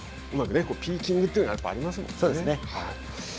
ティーチングというのはありますね。